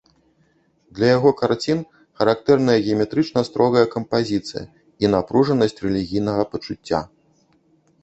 Для яго карцін характэрная геаметрычна строгая кампазіцыя і напружанасць рэлігійнага пачуцця.